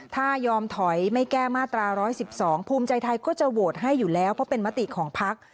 ถ้ายอมถอยไม่แก้มาตรา๑๑๒ภูมิใจไทยก็จะโหวตให้อยู่แล้วเพราะเป็นมติของพัก